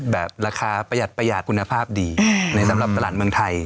แบบราคาประหยัดประหยาดคุณภาพดีในสำหรับตลาดเมืองไทย